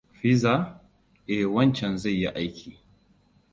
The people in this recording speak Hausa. Pizza? Eh, wancan zai yi aiki.